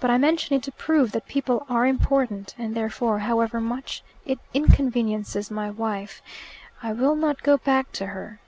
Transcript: But I mention it to prove that people are important, and therefore, however much it inconveniences my wife, I will not go back to her."